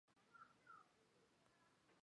主菜通常会紧接着后面送上。